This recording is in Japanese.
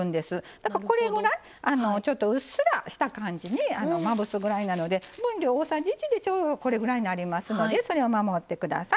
だから、これぐらいうっすらした感じにまぶすぐらいなので分量大さじ１ぐらいでこれぐらいになりますのでそれを守ってください。